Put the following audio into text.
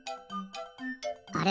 あれ？